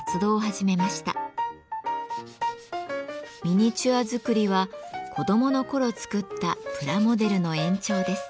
ミニチュア作りは子どもの頃作ったプラモデルの延長です。